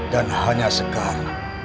dan hanya sekar